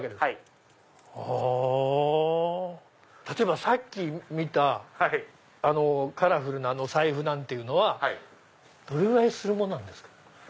例えばさっき見たカラフルな財布なんていうのはどれぐらいするものなんですか？